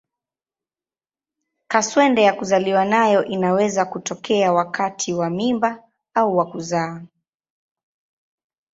Kaswende ya kuzaliwa nayo inaweza kutokea wakati wa mimba au wa kuzaa.